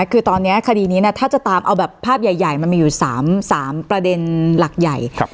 คือตอนนี้คดีนี้ถ้าจะตามเอาแบบภาพใหญ่มันมีอยู่๓ประเด็นหลักใหญ่